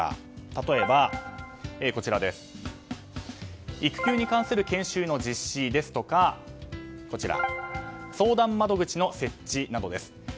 例えば、育休に関する研修の実施ですとか相談窓口の設置などです。